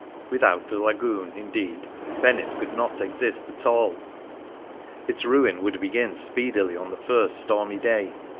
Without the Lagoon, indeed, Venice could not exist at all ; its ruin would begin speedily on the first stormy day.